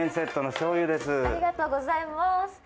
ありがとうございます。